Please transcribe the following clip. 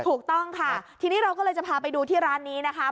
ถูกต้องค่ะทีนี้เราก็เลยจะพาไปดูที่ร้านนี้นะคะ